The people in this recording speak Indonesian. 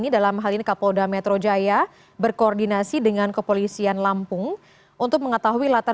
jalan proklamasi jakarta pusat